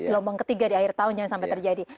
gelombang ketiga di akhir tahun jangan sampai terjadi